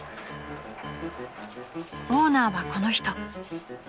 ［オーナーはこの人］